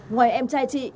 ngoài em trai chị